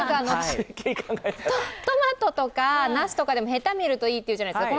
トマトとか、なすとかでもへた見るといいって言うじゃないですか。